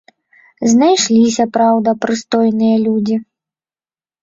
Знайшліся, праўда, прыстойныя людзі.